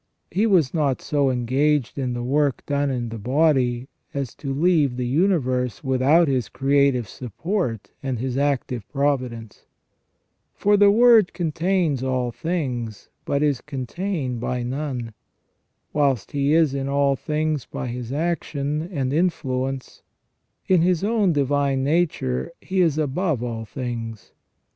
He was not so engaged in the work done in the body as to leave the universe without His creative support and His active providence. For the Word contains THE RESTORATION OF MAN. 327 all things, but is contained by none. Whilst He is in all things by His action and influence, in His own divine nature He is above all things.